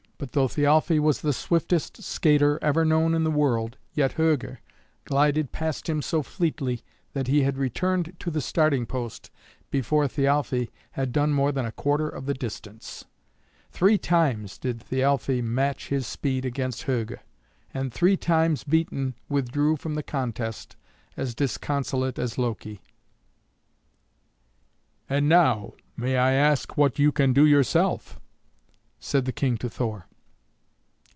But though Thialfe was the swiftest skater ever known in the world, yet Hugr glided past him so fleetly that he had returned to the starting post before Thialfe had done more than a quarter of the distance. Three times did Thialfe match his speed against Hugr, and, three times beaten, withdrew from the contest as disconsolate as Loki. "And now may I ask what you can do yourself?" said the King to Thor.